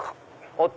おっ！